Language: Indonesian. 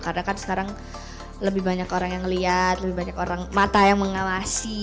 karena kan sekarang lebih banyak orang yang liat lebih banyak orang mata yang mengawasi